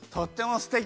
すてき！